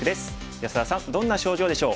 安田さんどんな症状でしょう？